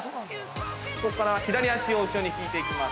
◆ここから、左足を一緒に引いていきます。